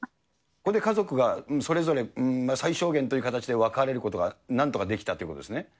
それで家族が、それぞれ最小限という形で分かれることがなんとかできたということですね。